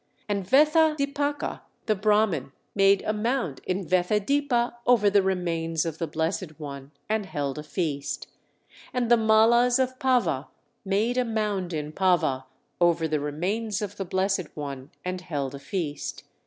And Vethadipaka the Brahman made a mound in Vethadipa over the remains of the Blessed One, and held a feast. And the Mallas of Pava made a mound in Pava over the remains of the Blessed One, and held a feast.